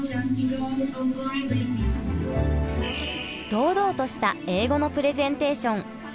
堂々とした英語のプレゼンテーション。